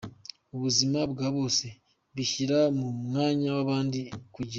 ubuzima bwa bose, bishyira mu mwanya w’abandi kugira